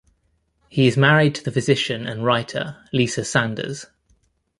He is married to the physician and writer Lisa Sanders.